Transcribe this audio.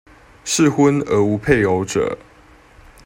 適婚而無配偶者